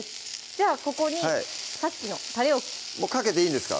じゃあここにさっきのたれをもうかけていいんですか？